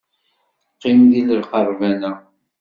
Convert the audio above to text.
Qqim deg lqerban-a.